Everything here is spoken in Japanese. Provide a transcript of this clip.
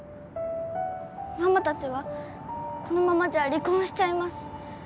ママ達はこのままじゃ離婚しちゃいます